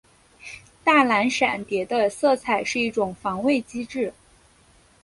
大蓝闪蝶的色彩是一种防卫机制。